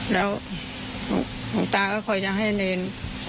แล้วสองตาก็คอยจะให้ทัวร์เนร